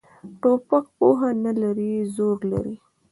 توپک پوهه نه لري، زور لري.